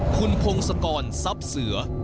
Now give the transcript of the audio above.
คุณพงศกรทรัพย์เสือ